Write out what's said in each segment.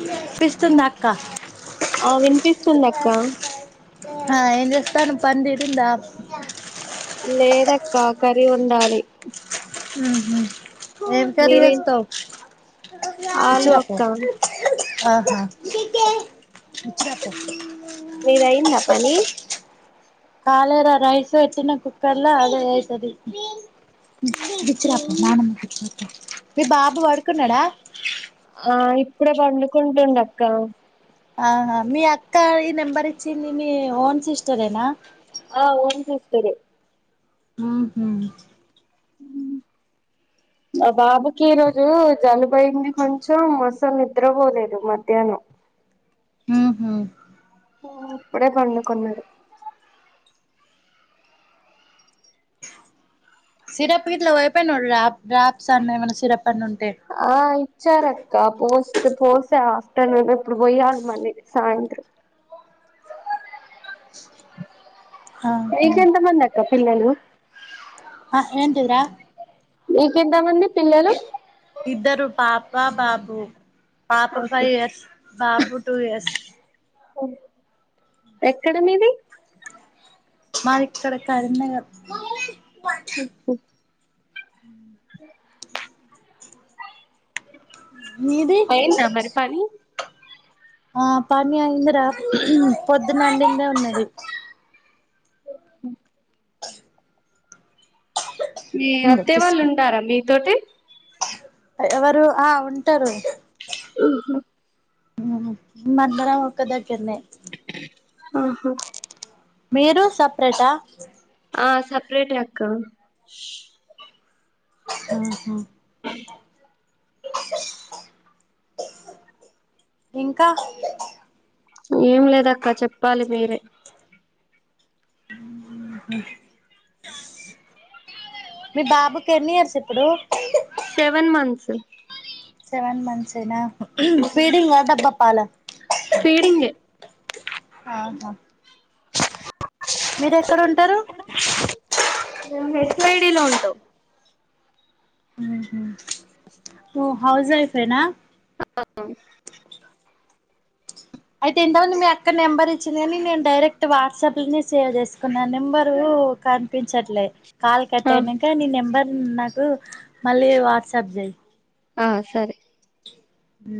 వినిపిస్తుందా అక్క ఆ వినిపిస్తుంది అక్క ఆ ఏం చేస్నారు పని తీరిందా లేదక్క కర్రీ వండాలి హహ్మ్ ఏం కర్రీ మీరే చేస్తావ్ ఇచి ఆలు రాపో అక్క ఆహా మీది అయిందా పని కాలే రా రైస్ పెట్టిన కుక్కర్ లో అదే అయితది ఇచి రాపో మీ బాబు పడుకున్నాడా ఆ ఇప్పుడ పండుకుంటుడు అక్క ఆహా మీ అక్క ఈ నెంబర్ ఇచ్చింది మీ ఓన్ సిస్టరేనా ఆ ఓన్ సిస్టర్ హహ్మ్ మా బాబుకి ఈ రోజు జలుబైయింది కొంచెం మోసం నిద్రపోలేదు మధ్యాహ్నం ఆహ ఇప్పుడే పండుకొన్నాడు సిరప్ ఇట్లా వయిపోయి డ్రాప్స్ అన్నాన సిరప్ అన్న ఉంటే ఆ ఇచ్చారక్క పోస్ పోస ఆఫ్టర్నూన్ ఇప్పుడు పోయాలి మళ్ళీ సాయంత్రం ఆహా నీకు ఎంత మంద అక్క పిల్లలు ఆ ఏంటిది రా మీకెంతమంది పిల్లలు ఇద్దరు పాప బాబు పాప ఫైవ్ ఇయర్స్ బాబు టూ ఇయర్స్ ఎక్కడ మీది మాది ఇక్కడ కరీంనగర్ ఓహ ఉ అ మీది అయిందా మరి పని ఆ పని అయింది రా పొద్దున వండిందే ఉన్నది మీ ఇంగో అత్తయ్య వాళ్ళు తీసుకో ఉంటారా మీతోటి ఎవరు ఆ ఉంటారు అ మన్నరాకుదకన్న ఆహా మీరు సపరేటా ఆ సెపరేట్ ఆకా ఆఓహా అ అ ఇంకా ఏం లేదక్క చెప్పాలి మీరే మీ బాబుకెనీయర్స్ ఇప్పుడు సెవెన్ మంతంత్స్ సెవెన్ మంత్స్ అయినా పీడింగా డబ్బా పాల ఫీడింగే ఆహా మీరు ఎక్కడ ఉంటారు ఇడిలో ఉంటు హౌస్వైఫ్. ఎనా అవు అయితే ఎంతవంది మీ అక్క నెంబర్ ఇచ్చింది అని నేను డైరెక్ట్ వాట్సాప్ లోని సేవ్ చేసుకున్నా నెంబరు కనిపించట్లే కాల్ ఆ కట్టేను న నెబర్ నాకు మళ్ళీ వాట్సాప్ చేయి ఆ సరే హ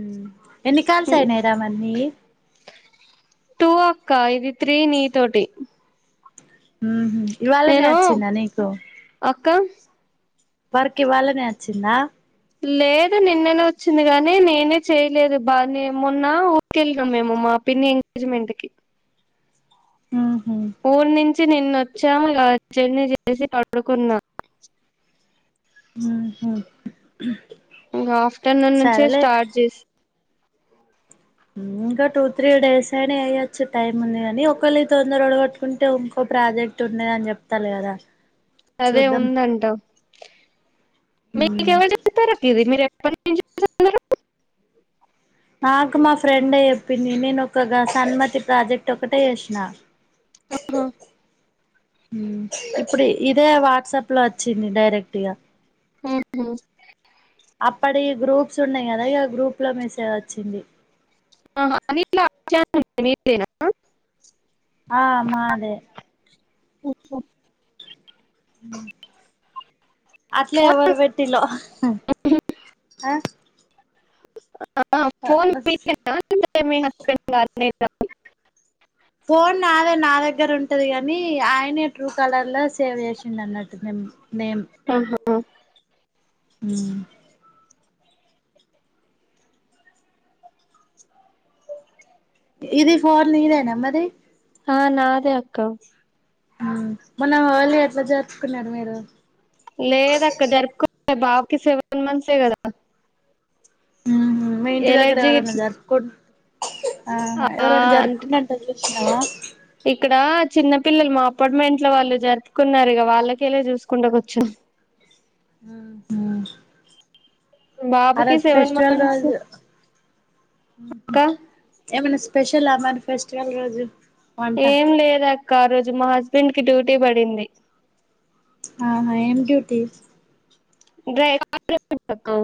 ఎన్నికల్స్ అయినాయి రామన్నీ టూ అక్క ఇది త్రీ నీ తోటి హ ఇవాళనే వచ్చిందా నీకు క్క పరకి వాళ్ళనే వచ్చిందా లేదు నిన్ననే వచ్చింది కాగానీ నేనే చేయలేదు బానే మొన్న ఊరికెళ్ళిన మేము మా పిన్ని ఎంగేజ్మెంట్ కి ఉహు ఊన్ నిం నిన్న వచ్చా గార్జన్ చేసి పడుకున్నా ఆహ ఇంకా ఆఫ్టర్నూన్ నుంచే స్టార్ట్ చేసి ఇంకా టూ త్రీ డేస్ అయినా అయ్యొచ్చు టైమ్ ఉంది కానీ ఒకళు తొందరడు కట్టుకుంటే ఇంకో ప్రాజెక్ట్ ఉండేద అని చెప్తారు కదా అదే చూద్దాం ఉందంట ఉమ్ మీకెవరు చెప్తార అ ఇది మీరు ఎటి [inaudible] నాకు మా ఫ్రెండే చెప్పింది నేను ఒక్కగా సన్మతి ప్రాజెక్ట్ ఒకటే చేసిన ఆహా, ఇప్పుడు ఇదే వాట్సాప్ లో వచ్చింది డైరెక్ట్గా హ్మ్మ్ అప్పడి గ్రూప్ సున్నాయి గదా ఇగా ఆ గ్రూప్ లో మెస్ తో వచ్చింది ఆహ్ అనిల్ అట్లే అని ఉం నా ఆ మాదే ఇఓలో హ్మ్మ్ అట్లే ఫోన్ ఎవరు పెట్టిలో ఆ ఆ ఆ ఆహ్ ఫోన్ ఇంగా అంటే మీ హస్బెండ్ గాల్ నీ రా ఫోన్ నాదే నా దగ్గర ఉంటది గాని ఆయనే ట్రూ కలర్ లో సేవ్ చేసిండ అన్నట్టు నేమ్ హ్మ్మ్ ఇది ఫోన్ నీదేనా మరి ఆ నాదే అక్క ఉమ్మ్ మొన్న హోలీ ఎట్లా చేరుపుకున్నారు మీరు. మా బాబుకి సెవెన్ మంత్స్ ఏ గదా. హ్మ్మ్ మీ ఇంటి దగ్గర ఎవరన్నా జరుపుకుంట్ ఆ ఎవరైనా అంటే జరుపుకుంటన్నాట చవా చిన్న పిల్లలు మా అపార్ట్మెంట్ లో వాళ్ళు జరుపుకున్నారు ఇక వాళ్ళకేలా చూసుకుంట కూర్చున్నాం ఉమ్మ్ హ్మ్మ్ ఆ బాబుకి రోజు సెవెన్ ఫెస్టివల్ మంత్స్ రోజు హ్మ్ అక్క హ్మ్ ఏమన్నా పేషల్ ఆ మరి్ ఏం లేదా అక్కా ఆ రోజు మా హస్ వీడ్కి డ్యూటీ పడింది. ఆహా ఏం డ్యూటీ డ్రైవర్ అక్కా.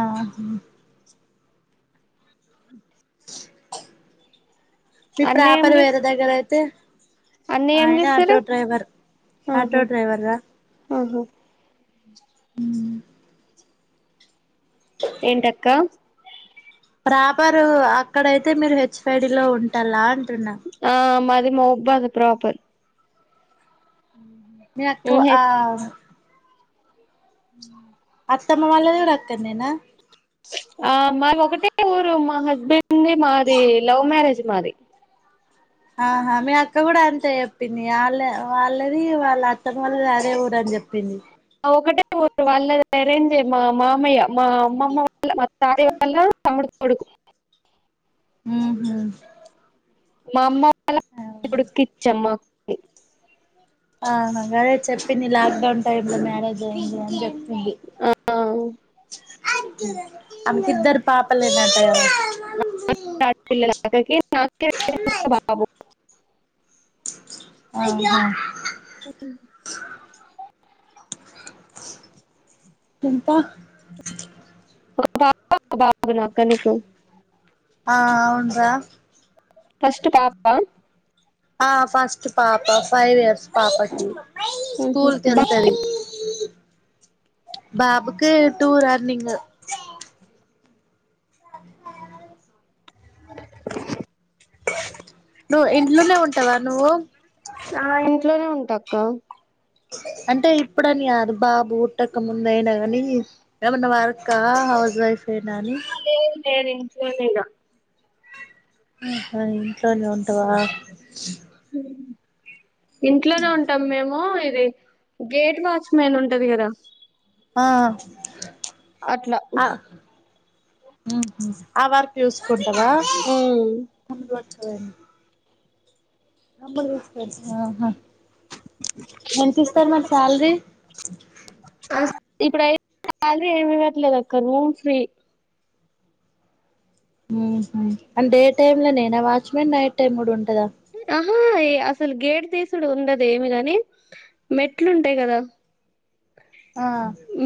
ఆహ్ము మీ అన్నయ్య ఏం ప్రాపర్ చేస్ వేరే దగ్గర అయితే. అన్నయ్య ఏం ఆయన ఆటో చేస్తారు డ్రైవర్ ఆహా ఆటోడ్రైవర్ రా ఆహా హ్మ్మ్ ఏంటక్కా ప్రాపర్ అక్కడయితే మీరు హెచ్ఫైడి లో ఉంటాలం ఆ మర్ అది మొబ్బైది అ ప్రాపర్. హ్మ్మ్ నే అక్క ఆ హెచ్ అత్తమ్మ వాళ్ళది గుడ అక్కడ్నేన ఆ మ ఒకటే ఊరు మా హస్బెండ్ది మాది లవ్ మ్యారేజ్ మాది ఆహా మీ అక్క గుడ అంతే జెప్పింది ఆళ్ళ వాళ్ళది వాళ్ళ అత్తమ్మోళ్ళది అదే ఊరని జెప్పింది. ఒకటే ఊరు వాళ్ళది ఎరేంజే మా మామయ్య మా అమ్మమ్మ వాళ్ళ మా తాతయ్య వాళ్ళ తమ్ముడు కొడుకు ఊహు వామ్మొ అలా ఉడికిచ్చమ్మ ని ఆ గదే చెప్పింది లాక్డౌన్ టైమ్ లో మ్యారేజ్ అయింది అని చెప్ ఉడ్ ఆ అమెకిద్దరు పాపలేనట [inaudible] బాబు ఆహా చింత ఒక పాప ఒక బాబు నా అక్క నీకు ఆ అవునురా ఫస్ట్ పాప ఆ ఫస్ట్ పాప ఫైవ్ ఇయర్స్ పాపకి స్కూల్ బా కెళ్తది బాబుకి టూ రన్నింగు స నువ్ ఇంట్లోనే ఉంటవా నువ్వు ఆ ఇంట్లోనే ఉంటక్క అంటే ఇప్పుడని గాదు బాబు పుట్టక ముందైనా ఏమన్న వార్ కా హౌస్ వైఫ్ రేనాని ఎ దిన్ఫోదిగ ఆ ఇంట్లోనే ఉంటవా ఇంట్లోనే ఉంటాం మేము ఇది గేట్ వాచ్మెన్ ఉంటది గదా ఆ అట్ల ఆ ఆ వార్కి జూస్ కుంటవా మ్మ్ అంబడు ఎంత ఇస్తారు మరి శాలరీ ఇప్పుడుయి శాలరీ ఏమి ఇవ్వట్లేదు. అక్క రూమ్ ఫ్రీ ఉంహు అం డే టైమ్ లో నేనా వాచ్ మెన్ నైట్ టైమ్ కూడా ఉం ఆహా ఏ అసలు గేట్ తీస్ డు ఉండదు ఏమి కాని మెట్లు ఉంటాయి కదా ఆ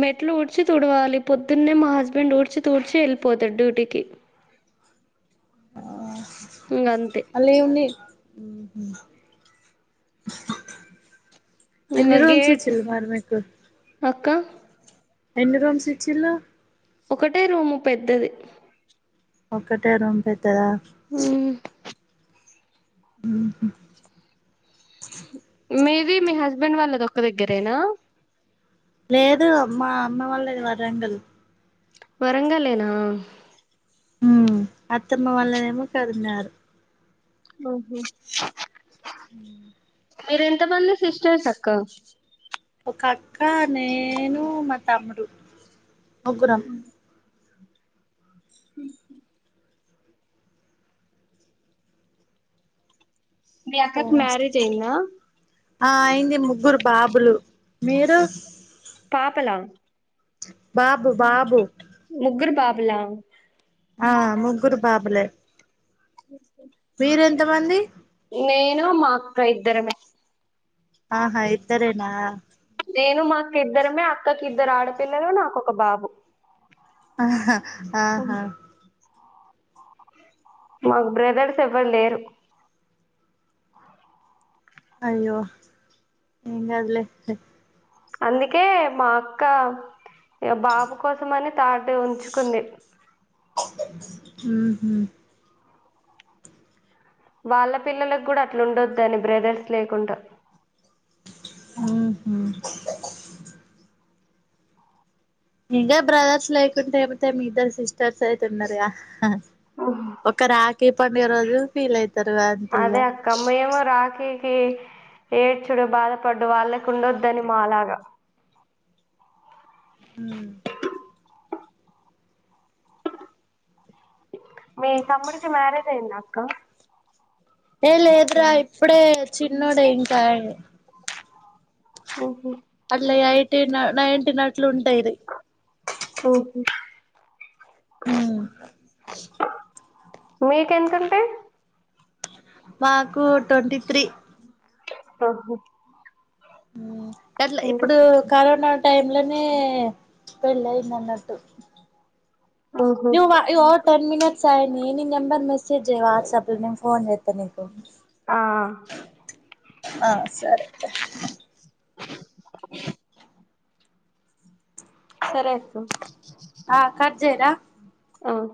మెట్లు ఊడ్చ డ్చి తుడవాలి. పొద్దున్నే మా హస్బెండ్ ఊడ్చి తూడ్చి వెళ్ళిపోతాడు డ్యూటీకి. ఆ ఇంగ అంతే మళ్ళీ ఉన్ని ఉహు ఇంగ అన్ని రూమ్స్ గేట్ ఇచ్చింటారు మీకు అక్క ఎన్ని రూమ్స్ ఇచ్చిలు ఒకటే రూము పెద్దది ఒక్కటే రూము పెద్ద దా ఉహు మీది మీ హస్బెండ్ వాళ్ళ దొక్క దగ్గరేనా లేదు మా అమ్మ వాళ్ళది వరంగల్ వరంగలేనా ఉమ్ అత్తమ్మ వాళ్ళదేమో కరీంనగర్ ఓహో ఉ మీరు ఎంతమంది సిస్టర్స్ అక్క ఒక అక్క నేను మా తమ్ముడు ముగ్గురం ఉ మీ అక్కకి మ్యారేజ్ అయిందా ఆ అయింది ముగ్గురు బాబులు మీరు పాపల బాబు బాబు ముగ్గురు బాబుల ఆ ముగ్గురు బాబులే [unintelligible] మీరు ఎంత మంది నేను మా అక్క ఇద్దరమే ఆహా ఇద్దరేనా నేను మాఅక్క ఇద్దరమే అక్కకిద్దరు ఆడపిల్లలు నాకొ ఒక బాబు ఆహా ఆహా మాకు బ్రదర్స్ ఎవ్వరు లేరు. అయ్యో ఏంకాదులే అందుకే మా అక్క బాబు కోసం అని థార్డ్ ఉంచుకుంది ఉహు వాళ్ళ పిల్లలలకు కూడా అట్లుండొద్దని బ్రదర్స్ లేకుండా ఆహా ఇంకా బ్రదర్స్ లేకుంటే ఏమతే మీ ఇద్దరు సిస్టర్స్ అయితే ఉన్నారుగా ఒక రాజ ఈ పండి రోజు ఫీల్ అయిద అదే అక్క మెమ్ రాకీ కి ఏడ్చుడు బాధపడ్డు వాళ్ళకు ఉండొద్దని మా లాగా [inaudible] మీ తమ్ముడికి మ్యారేజ్ అయిందా కా ఏ లేదురా ఇప్పుడే చిన్నోడే ఇంక ఊహు అట్లా ఎయిటీన్ నై టీ [unintelligible] ఇట్లుంటాయి ఊహు అ మీకెంతంటాయి మాకు ట్వంటీ త్రీ ఆహా ఉ అట్లా ట్వంటీ ఇప్పుడు సిక్స్ కరోనా టై లోనే పెళ్ళయింది అన్నట్టు ఆహా నువ ఇగో టెన్ మినిట్స్యయి నీ నెబర్ మెసేజ్యి వాట్సప్ లా నేను ఫోన్ చేస్తా నీకు ఆ ఆ సరే సరే అక్క చేరా అ